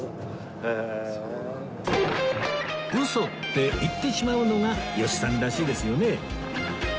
ウソって言ってしまうのが吉さんらしいですよね